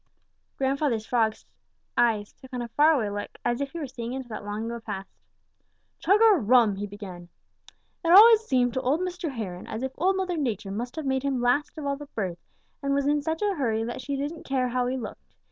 Grandfather Frog's eyes took on a far away look, as if he were seeing into that long ago past. "Chug a rum!" he began. "It always seemed to old Mr. Heron as if Old Mother Nature must have made him last of all the birds and was in such a hurry that she didn't care how he looked.